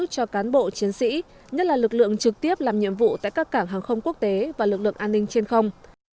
cho cán bộ chiến sĩ nhất là lực lượng trực tiếp làm nhiệm vụ tại các cảng hàng không quốc tế và lực lượng an ninh trên không